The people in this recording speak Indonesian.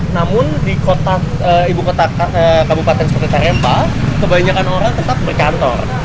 namun di kota kabupaten seperti tarempa kebanyakan orang tetap berkantor